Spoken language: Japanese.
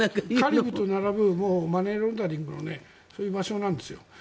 カリブと並ぶマネーロンダリングがそういう場所なんですよ。